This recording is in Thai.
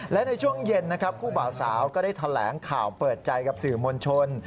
และในช่วงเย็นนะครับคู่บ่าวสาวก็ได้แถลงข่าวเปิดใจกับสื่อมวลชน